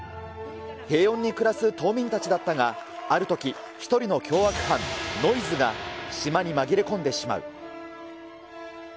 平穏に暮らす島民たちだったが、あるとき、１人の凶悪犯、ノイズが島に紛れ込んでしまう。